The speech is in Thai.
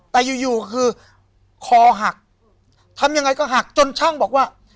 แต่อยู่อยู่คือคอหักทำยังไงก็หักจนช่างบอกว่า